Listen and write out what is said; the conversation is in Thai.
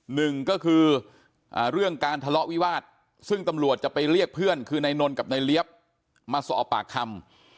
หนึ่งก็คือเรื่องการทะเลาะวิวาสซึ่งตำรวจจะไปเรียกเพื่อนคือนายนนกับนายเลี้ยบมาสอบปากคำ